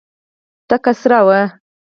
تکه سره وه.